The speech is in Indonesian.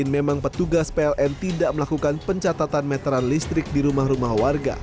memang petugas pln tidak melakukan pencatatan meteran listrik di rumah rumah warga